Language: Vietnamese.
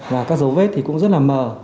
và các dấu vết thì cũng rất là mờ